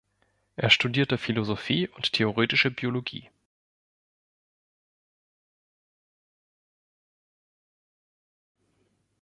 Er studierte Philosophie und theoretische Biologie.